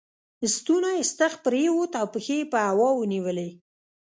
ستونی ستغ پر ووت او پښې یې په هوا ونیولې.